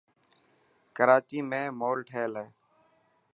ڪراچي مين مول ٺهيل هي.